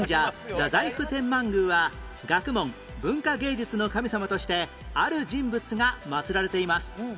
太宰府天満宮は学問・文化芸術の神様としてある人物が祀られています